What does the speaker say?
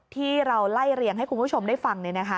ที่เราไล่เรียงให้คุณผู้ชมได้ฟัง